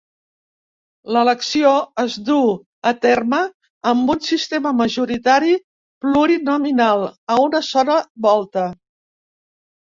L'elecció es duu a terme amb un sistema majoritari plurinominal a una sola volta.